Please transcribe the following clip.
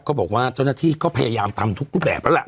บอกว่าเจ้าหน้าที่ก็พยายามทำทุกรูปแบบแล้วล่ะ